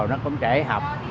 nó cũng trễ học